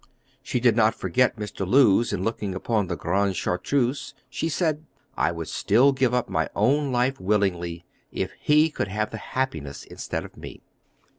She did not forget Mr. Lewes. In looking upon the Grande Chartreuse, she said, "I would still give up my own life willingly, if he could have the happiness instead of me."